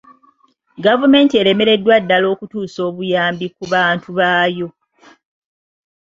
Gavumenti eremereddwa ddala okutuusa obuyambi ku bantu baayo.